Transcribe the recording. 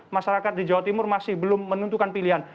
masyarakat di jawa timur masih belum menentukan pilihan